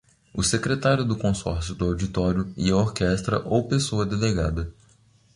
O Secretário do Consórcio do Auditório e a orquestra ou pessoa delegada.